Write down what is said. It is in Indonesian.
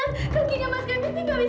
asma bantu mas kevin